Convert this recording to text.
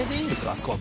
あそこは。